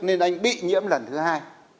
nên anh bị nhiễm lần thứ hai